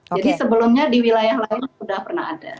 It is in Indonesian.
jadi sebelumnya di wilayah lain sudah pernah ada